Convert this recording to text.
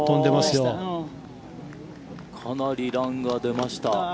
かなりランが出ました。